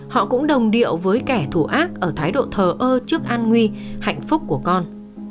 họ cũng đồng điệu với kẻ thù ác ở thái độ thờ ơ trước an nguy hạnh phúc của con